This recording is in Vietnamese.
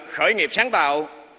khởi nghiệp sáng tạo